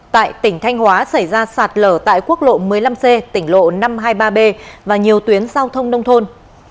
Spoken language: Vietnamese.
tại tỉnh thanh hóa xảy ra sạt lở tại quốc lộ một mươi năm c tỉnh lộ năm trăm hai mươi ba b và nhiều tuyến giao thông nông thôn